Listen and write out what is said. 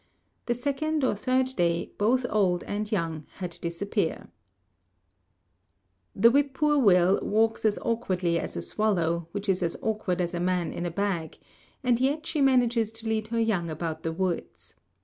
The second or third day both old and young had disappeared. The whippoorwill walks as awkwardly as a swallow, which is as awkward as a man in a bag, and yet she manages to lead her young about the woods.